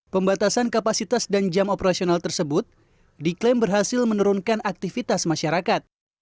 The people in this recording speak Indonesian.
pembatasan kapasitas dan jam operasional tersebut diklaim berhasil menurunkan aktivitas masyarakat